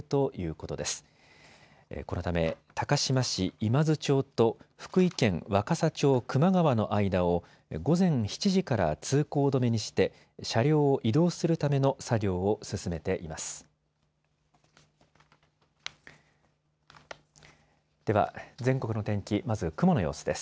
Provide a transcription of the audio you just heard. このため高島市今津町と福井県若狭町熊川の間を午前７時から通行止めにして車両を移動するための作業を進めています。